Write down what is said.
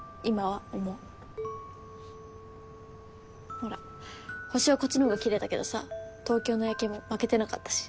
ほら星はこっちの方が奇麗だけどさ東京の夜景も負けてなかったし。